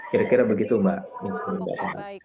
kira kira begitu mbak